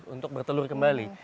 untuk bertelur kembali